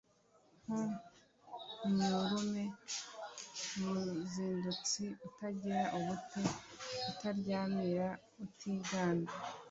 nkomyurume: umuzindutsi, utagira ubute utaryamira, utiganda